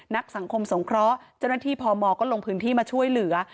นักสังคมสงเคราะห์เจ้าหน้าที่พมก็ลงพื้นที่มาช่วยเหลือ